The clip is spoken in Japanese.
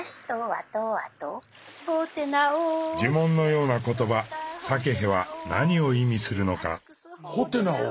呪文のような言葉サケヘは何を意味するのか。